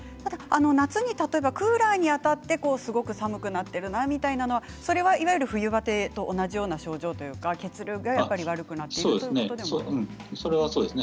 夏に、例えばクーラーに当たってすごく寒くなっているなというのはそれはいわゆる冬バテと同じような症状というか血流が悪くなっているということでもあるんですね。